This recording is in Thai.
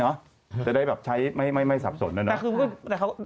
จะได้แบบใช้ไม่สับสนแล้ว